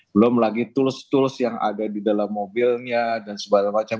belum lagi tools tools yang ada di dalam mobilnya dan sebagainya